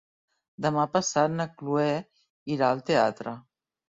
Demà passat na Chloé irà al teatre.